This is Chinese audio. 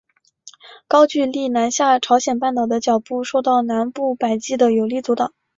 高句丽南下朝鲜半岛的脚步受到南部百济的有力阻挡。